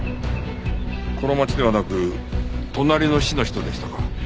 この町ではなく隣の市の人でしたか。